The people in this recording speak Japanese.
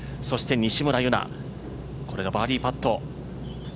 そして西村優菜、これがバーディーパット。